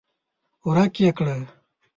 ورک يې کړه!